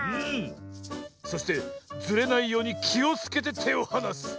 そしてずれないようにきをつけててをはなす。